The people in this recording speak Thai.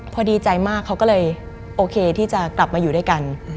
พอดีใจมากเขาก็เลยโอเคที่จะกลับมาอยู่ด้วยกัน